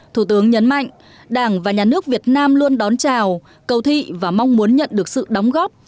thủ tướng nhấn mạnh đảng và nhà nước việt nam luôn đón chào cầu thị và mong muốn nhận được sự đóng góp